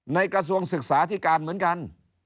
กระทรวงศึกษาที่การเหมือนกัน